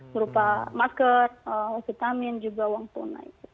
mereka sudah dapat masker vitamin juga uang tunai